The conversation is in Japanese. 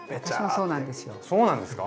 そうなんですか？